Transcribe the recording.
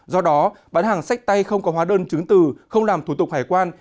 do đó bán hàng sách tay không có hóa đơn chứng từ không làm thủ tục hải quan